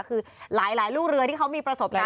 คือหลายลูกเรือที่เขามีประสบการณ์